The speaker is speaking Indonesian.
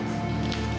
aku mau balik